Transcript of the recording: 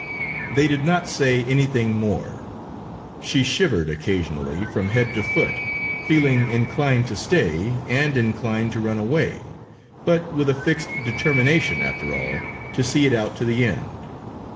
They did not say anything more. She shivered occasionally, from head to foot, feeling inclined to stay, and inclined to run away, but with a fixed determination, after all, to see it out to the end.